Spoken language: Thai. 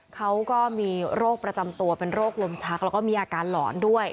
เขาก็มีโรคประจำตัวเป็นโรคลมชักแล้วก็มีอาการหลอนด้วย